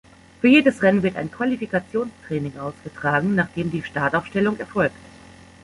Für jedes Rennen wird ein Qualifikationstraining ausgetragen, nach dem die Startaufstellung erfolgt.